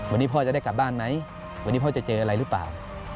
วันนี้พ่อจะได้กลับบ้านไหมวันนี้พ่อจะเจออะไรหรือเปล่า